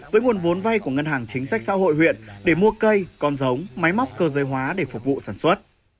với nguồn vốn vay của ngân hàng chính sách xã hội huyện để mua cây con giống máy móc cơ giới hóa để phục vụ sản xuất